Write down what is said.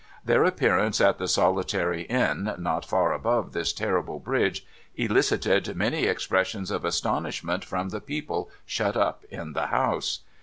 Their appearance at the solitary Inn not far beyond this terrible Bridge, elicited many expressions of astonishment from the people shut up in the house.